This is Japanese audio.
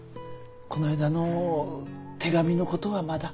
こないだの手紙のことはまだ？